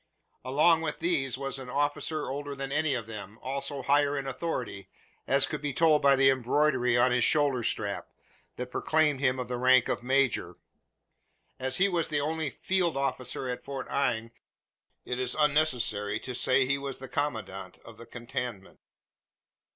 Along with these was an officer older than any of them, also higher in authority, as could be told by the embroidery on his shoulder strap, that proclaimed him of the rank of major. As he was the only "field officer" at Fort Inge, it is unnecessary to say he was the commandant of the cantonment.